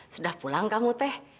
sudah pulang kamu teh